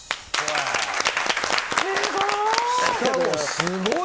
すごい。